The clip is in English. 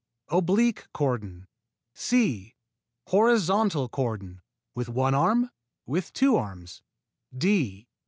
_ Oblique cordon c. Horizontal cordon (with one arm) (with two arms) _d.